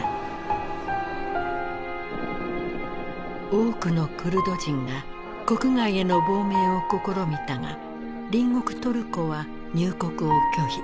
多くのクルド人が国外への亡命を試みたが隣国トルコは入国を拒否。